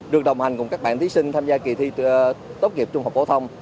được đồng hành cùng các bạn thí sinh tham gia kỳ thi tốt nghiệp trung học phổ thông